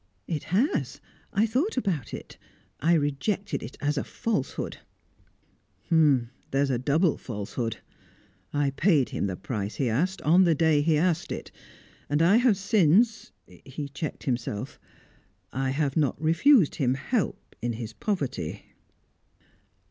"It has; I thought about it. I rejected it as a falsehood." "There's a double falsehood. I paid him the price he asked, on the day he asked it, and I have since" he checked himself "I have not refused him help in his poverty."